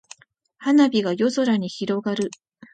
花火が夜空に広がる。